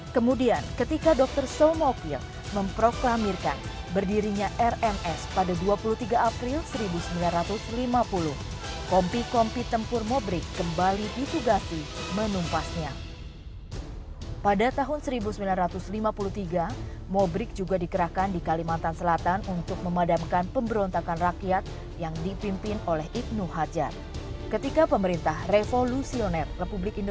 kami terlahir berbeda warna kulit berbeda suku berbeda keyakinan